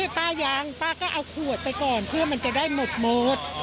อื้อป้ายังป้าก็เอาขวดไปก่อนเพื่อมันจะได้หมดหมดอ๋อ